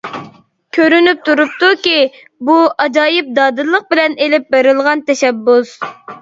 كۆرۈنۈپ تۇرۇپتۇكى، بۇ، ئاجايىپ دادىللىق بىلەن ئېلىپ بېرىلغان تەشەببۇس.